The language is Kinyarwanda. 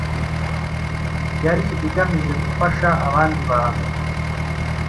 yari igamije gufasha abandi bantu